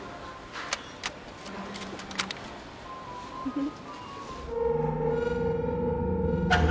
フフフ。